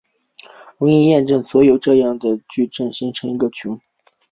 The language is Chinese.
容易验证所有这样的矩阵构成一个群。